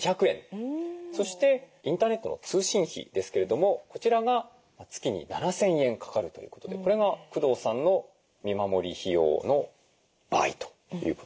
そしてインターネットの通信費ですけれどもこちらが月に７，０００円かかるということでこれが工藤さんの見守り費用の場合ということです。